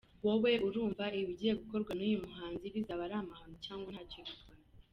Wowe urumva ibigiye gukorwa n’uyu muhanzi bizaba ari amahano cyangwa ntacyo bitwaye?.